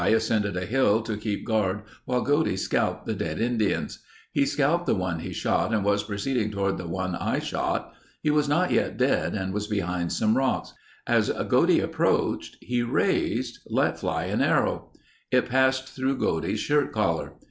ascended a hill to keep guard while Godey scalped the dead Indians. He scalped the one he shot and was proceeding toward the one I shot. He was not yet dead and was behind some rocks. As Godey approached he raised, let fly an arrow. It passed through Godey's shirt collar.